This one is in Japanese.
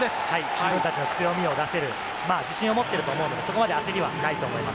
自分たちの強みを出せる自信を持っていると思うので、焦りはないと思います。